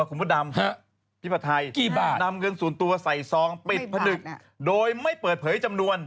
คุณพระดำที่ผัดไทยนำเงินส่วนตัวใส่ซองปิดผนึกโดยไม่เปิดเผยจำนวน